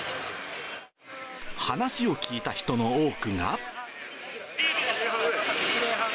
話を聞いた人の多くが。